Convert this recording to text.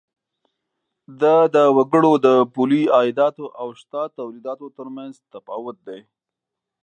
دا د وګړو د پولي عایداتو او شته تولیداتو تر مینځ تفاوت دی.